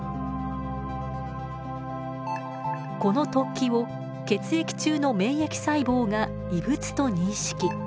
この突起を血液中の免疫細胞が異物と認識。